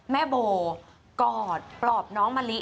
แม่โบกอดปลอบน้องมะลิ